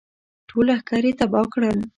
ټول لښکر یې تباه کړل.